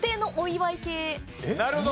なるほど！